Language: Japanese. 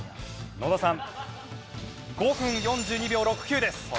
野田さん５分４２秒６９です。